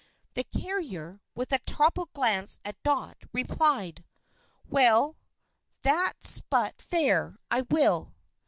The carrier, with a troubled glance at Dot, replied, "Well, that's but fair. I will."